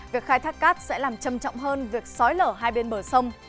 việc khai thác cát sẽ làm trầm trọng hơn việc xói lở hai bên bờ sông